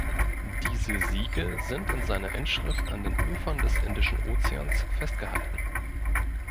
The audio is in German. Diese Siege sind in seiner Inschrift an den Ufern des Indischen Ozeans festgehalten.